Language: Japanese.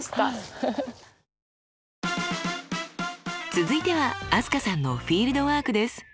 続いては飛鳥さんのフィールドワークです。